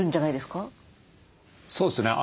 そうですね。